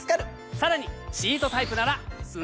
さらにシートタイプならスマホまで。